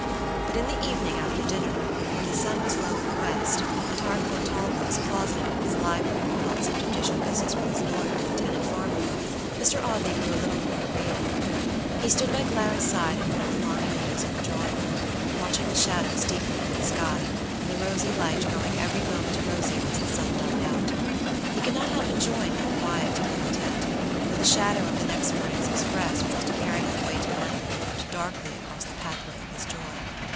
But in the evening after dinner, when the sun was low in the west, and Harcourt Talboys closeted in his library upon some judicial business with his lawyer and a tenant farmer, Mr. Audley grew a little more agreeable. He stood by Clara's side in one of the long windows of the drawing room, watching the shadows deepening in the sky and the rosy light growing every moment rosier as the sun died out. He could not help enjoying that quiet tête a tête, though the shadow of the next morning's express which was to carry him away to London loomed darkly across the pathway of his joy.